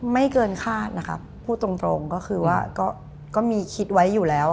ไม่เกินคาดนะครับพูดตรงก็คือว่าก็มีคิดไว้อยู่แล้ว